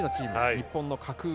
日本の格上。